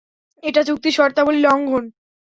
এটা চুক্তির শর্তাবলী লঙ্ঘন।